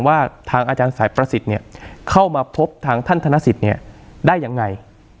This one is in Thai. ว่าทางอาจารย์สายประสิทธิ์เข้ามาพบทางท่านทรณสิตได้ยังไง